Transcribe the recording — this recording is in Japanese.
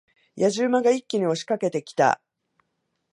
野次馬が一気に押し掛けてきた。